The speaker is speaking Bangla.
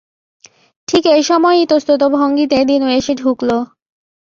ঠিক এই সময় ইতস্তত ভঙ্গিতে দিনু এসে ঢুকল।